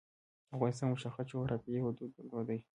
افغانستان مشخص جعرافیايی حدود درلودلي.